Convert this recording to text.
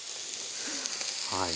はい。